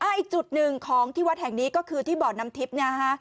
อีกจุดหนึ่งของที่วัดแห่งนี้ก็คือที่บ่อน้ำทิพย์นะฮะ